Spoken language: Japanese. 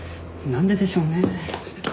なんででしょうね？